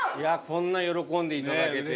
こんな喜んでいただけて。